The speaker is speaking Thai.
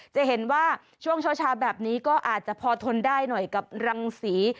จะเห็นว่าช่วงเช้าแบบนี้ก็อาจจะพอทนได้หน่อยกับรังศรี